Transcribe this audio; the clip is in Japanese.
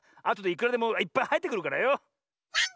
あとでいくらでもいっぱいはえてくるからよ。